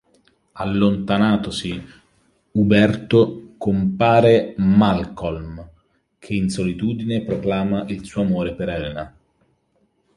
Allontanatosi Uberto, compare Malcolm che in solitudine proclama il suo amore per Elena.